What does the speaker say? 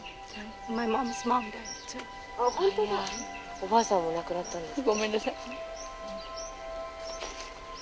おばあさんも亡くなったんですって。